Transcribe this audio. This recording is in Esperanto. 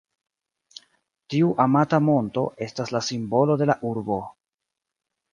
Tiu amata monto estas la simbolo de la urbo.